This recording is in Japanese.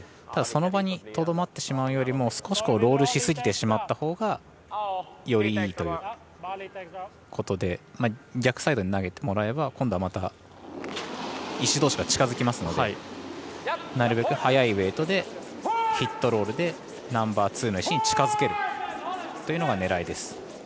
ただ、その場にとどまってしまうよりも少しロールしすぎてしまったほうがよりいいということで逆サイドに投げてもらえれば今度は石どうしが近づきますのでなるべく速いウエイトでヒットロールでナンバーツーの石に近づけるというのが狙いです。